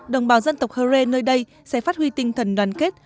đồng bào dân tộc hơ rê nơi đây sẽ phát huy tinh thần đoàn kết